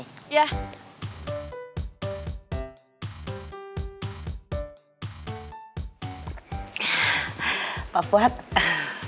papua tuh gampang banget ya